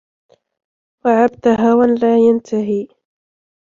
وَعَبْدَ هَوًى لَا يَنْتَهِي